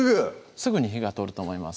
すぐに火が通ると思います